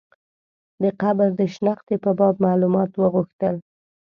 د قبر د شنختې په باب معلومات وغوښتل.